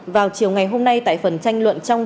vào chiều ngày hôm nay tại phần tranh luận trong